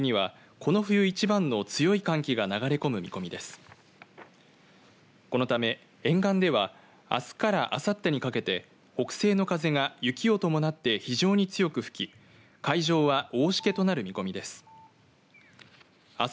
このため沿岸ではあすからあさってにかけて北西の風が雪を伴って非常に強く吹き海上は大しけとなる見込みです。